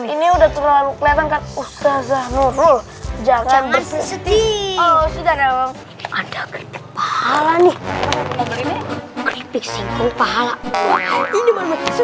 ini udah terlalu kelihatan kan usaha nurul jangan berhenti oh sudah ada uang pahala nih